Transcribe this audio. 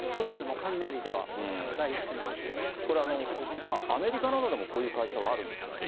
雷ではもう第一線これ、手嶋さん、アメリカなどでもこういう会社はあるんですか？